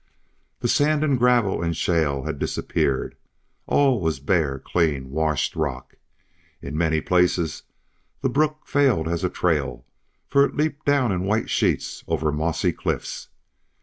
The sand and gravel and shale had disappeared; all was bare clean washed rock. In many places the brook failed as a trail, for it leaped down in white sheets over mossy cliffs.